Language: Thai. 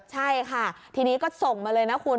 ใช่ค่ะทีนี้ก็ส่งมาเลยนะคุณ